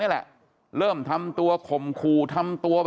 เมื่อยครับเมื่อยครับ